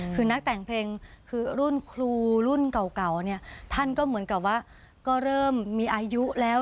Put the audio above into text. คือนักแต่งเพลงคือรุ่นครูรุ่นเก่าเนี่ยท่านก็เหมือนกับว่าก็เริ่มมีอายุแล้ว